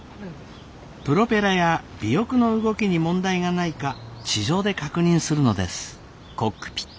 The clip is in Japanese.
プロペラや尾翼の動きに問題がないか地上で確認するのです。